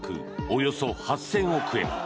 およそ８０００億円。